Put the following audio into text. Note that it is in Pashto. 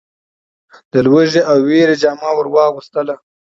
د لوږې او وېري جامه ور واغوستله .